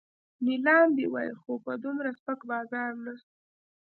نیلام دې وای خو په دومره سپک بازار نه.